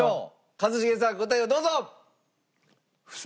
一茂さん答えをどうぞ！